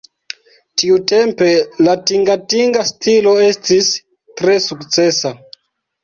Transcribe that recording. Tiutempe la tingatinga stilo estis tre sukcesa.